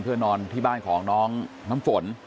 เพื่อนอนที่บ้านของน้องน้ำฝน